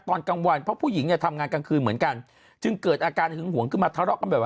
ตอนกลางวันพวกผู้หญิงจะทำงานกลางคืนเหมือนกัน